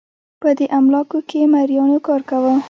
په دې املاکو کې مریانو کار کاوه